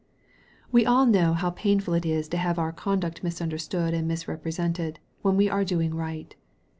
WE all know how painful it is to have our conduct misunderstood and misrepresented, when we are do ing right.